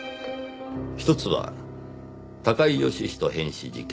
一つは高井義人変死事件。